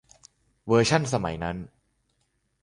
เวอร์ชั่นสมัยนั้น